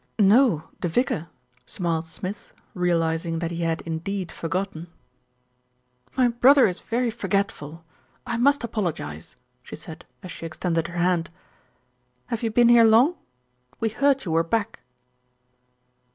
"No, the vicar," smiled Smith, realising that he had indeed forgotten. LITTLE BILSTEAD RECEIVES A SHOCK 81 "My brother is very forgetful. I must apologise," she said as she extended her hand. "Have you been here long? We heard you were back."